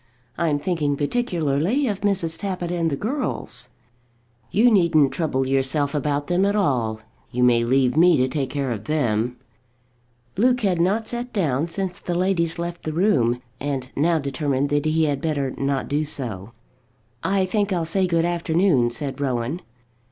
I'm thinking particularly of Mrs. Tappitt and the girls." "You needn't trouble yourself about them at all. You may leave me to take care of them." Luke had not sat down since the ladies left the room, and now determined that he had better not do so. "I think I'll say good afternoon," said Rowan.